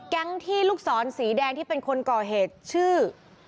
ที่ลูกศรสีแดงที่เป็นคนก่อเหตุชื่อ